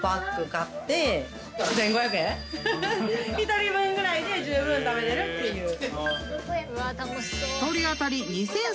１人分ぐらいでじゅうぶん食べれるっていう。